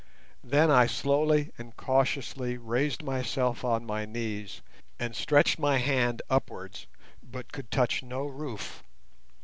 Then I slowly and cautiously raised myself on my knees and stretched my hand upwards, but could touch no roof.